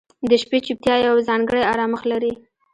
• د شپې چوپتیا یو ځانګړی آرامښت لري.